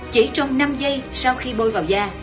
chỉ trong năm giây sau khi bôi vào da